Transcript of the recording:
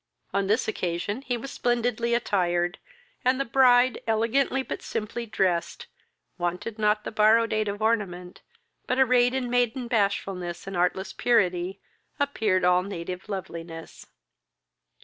On this occasion he was splendidly attired, and the bride, elegantly but simply dressed, wanted not the borrowed aid of ornament, but, arrayed in maiden bashfulness and artless purity, appeared all native loveliness.